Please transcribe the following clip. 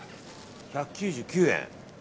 １９９円。